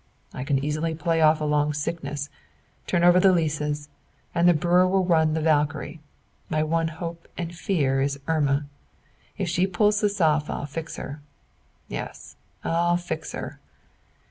"I can easily play off a long sickness, turn over the leases, and the brewer will run the 'Valkyrie.' My one hope and fear is Irma. If she pulls this off I'll fix her; yes, I'll fix her!"